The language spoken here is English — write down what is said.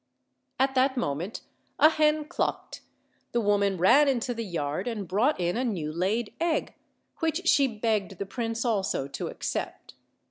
At that moment a hen clucked; the woman ran into the yard and brought in a new laid egg, which she begged the prince also to accept.